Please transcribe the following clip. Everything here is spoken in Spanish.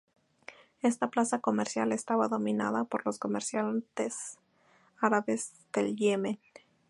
Esta plaza comercial estaba dominada por los comerciantes árabes del Yemen.